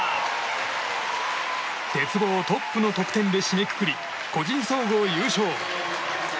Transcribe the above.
鉄棒トップの得点で締めくくり、個人総合優勝。